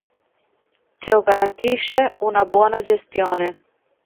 Ciò garantisce una buona gestione.